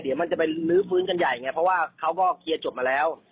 เดี๋ยวมันจะไปลื้อฟื้นกันใหญ่ไงเพราะว่าเขาก็เคลียร์จบมาแล้ว